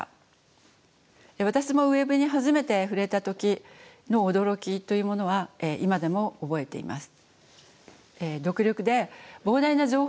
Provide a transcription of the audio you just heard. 私もＷｅｂに初めて触れた時の驚きというものは今でも覚えています。